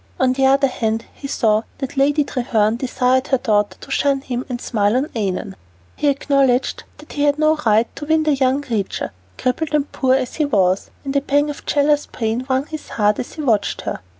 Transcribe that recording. On the other hand, he saw that Lady Treherne desired her daughter to shun him and smile on Annon; he acknowledged that he had no right to win the young creature, crippled and poor as he was, and a pang of jealous pain wrung his heart as he watched her.